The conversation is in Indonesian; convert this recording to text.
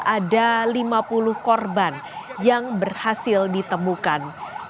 ada lima puluh korban yang berhasil ditemukan